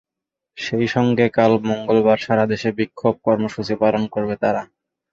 সেই সঙ্গে কাল মঙ্গলবার সারা দেশে বিক্ষোভ কর্মসূচি পালন করবে তারা।